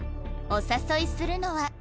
お誘いするのは？